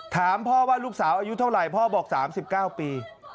ถามพ่อว่าลูกสาวอายุเท่าไหร่พ่อบอก๓๙ปี